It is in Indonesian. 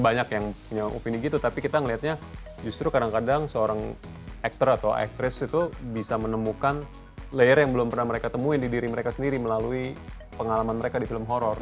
banyak yang punya opini gitu tapi kita melihatnya justru kadang kadang seorang aktor atau aktris itu bisa menemukan layer yang belum pernah mereka temuin di diri mereka sendiri melalui pengalaman mereka di film horror